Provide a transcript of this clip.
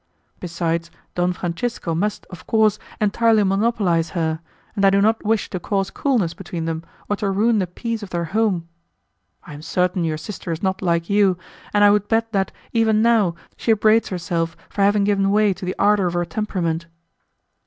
Besides Don Francisco must, of course, entirely monopolize her, and I do not wish to cause coolness between them, or to ruin the peace of their home. I am certain your sister is not like you, and I would bet that, even now, she upbraids herself for having given way to the ardour of her temperament."